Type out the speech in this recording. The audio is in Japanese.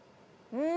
うん。